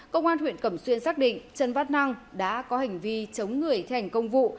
công an huyện cẩm xuyên xác định chân bắt năng đã có hành vi chống người thành công vụ